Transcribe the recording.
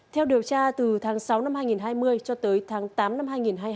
theo điều tra từ tháng sáu năm hai nghìn hai mươi cho tới tháng tám năm hai nghìn hai mươi hai